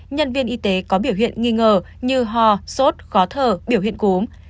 nhân viên y tế có biểu hiện nghi ngờ như ho sốt khó thở biểu hiện cúm